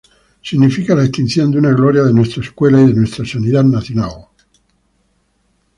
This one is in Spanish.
Significa la extinción de una gloria de nuestra Escuela y de nuestra sanidad nacional.